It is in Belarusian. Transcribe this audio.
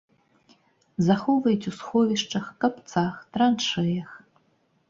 Захоўваюць у сховішчах, капцах, траншэях.